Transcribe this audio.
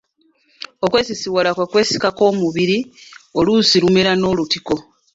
Okwesisiwala kwe kwesika kw’omubiri oluusi lumera n’olutiko.